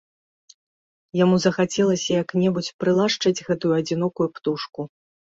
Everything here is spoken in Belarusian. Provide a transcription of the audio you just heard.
Яму захацелася як-небудзь прылашчыць гэтую адзінокую птушку.